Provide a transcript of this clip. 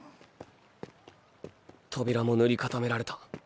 扉も塗り固められた。